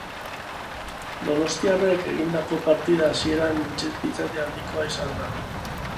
Donostiarrek egindako partida hasiera intentsitate handikoa izan da.